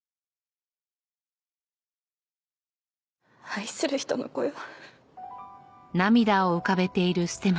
愛する人の子よ。